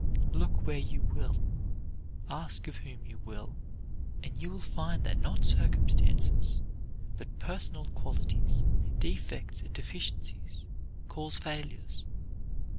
Look where you will, ask of whom you will, and you will find that not circumstances, but personal qualities, defects and deficiencies, cause failures.